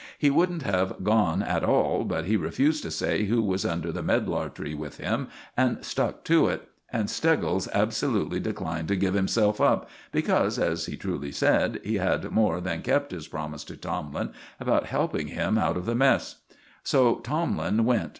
He wouldn't have gone at all, but he refused to say who was under the medlar tree with him, and stuck to it; and Steggles absolutely declined to give himself up, because, as he truly said, he had more than kept his promise to Tomlin about helping him out of the mess. So Tomlin went.